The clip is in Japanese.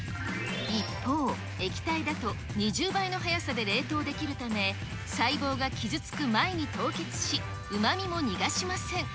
一方、液体だと２０倍の速さで冷凍できるため、細胞が傷つく前に凍結し、うまみも逃がしません。